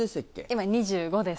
今２５です。